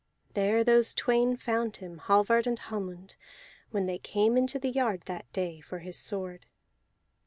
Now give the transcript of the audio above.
There those twain found him, Hallvard and Hallmund, when they came into the yard that day for his sword.